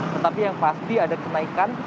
tetapi yang pasti ada kenaikan